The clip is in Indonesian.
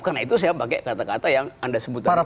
karena itu saya pakai kata kata yang anda sebutkan estetika